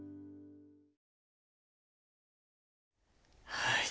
はい。